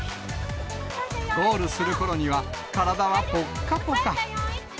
ゴールするころには体はぽっかぽか。